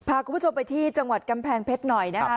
พาคุณผู้ชมไปที่จังหวัดกำแพงเพชรหน่อยนะคะ